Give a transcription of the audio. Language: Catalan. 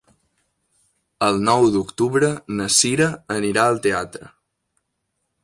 El nou d'octubre na Cira anirà al teatre.